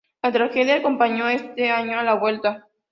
La tragedia acompañó este año a la "Vuelta".